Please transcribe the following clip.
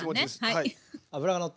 はい。